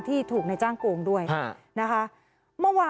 ที่ถูกในจ้างโกงด้วยนะคะ